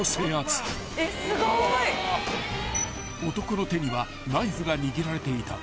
［男の手にはナイフが握られていた］